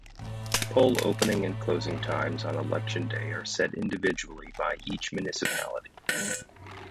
Poll opening and closing times on election day are set individually by each municipality.